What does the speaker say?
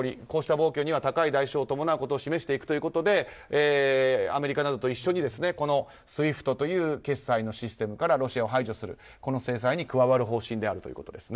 こうした暴挙には高い代償が伴うことを示していくということでアメリカなどと一緒にＳＷＩＦＴという決済のシステムからロシアを排除するという制裁に加わる方針です。